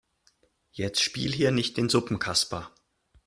Jetzt spiel hier nicht den Suppenkasper.